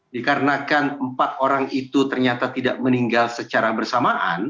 dikarenakan empat orang itu ternyata tidak meninggal secara bersamaan